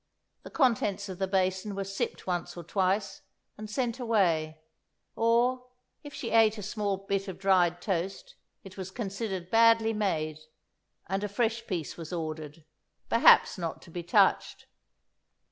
The contents of the basin were sipped once or twice and sent away; or, if she ate a small bit of dried toast, it was considered badly made, and a fresh piece was ordered, perhaps not to be touched."